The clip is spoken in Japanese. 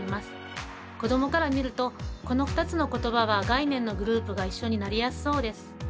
子どもから見るとこの２つの言葉は概念のグループが一緒になりやすそうです。